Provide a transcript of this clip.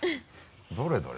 どれどれ？